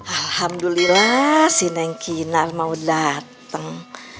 alhamdulillah si neng kinar mau dateng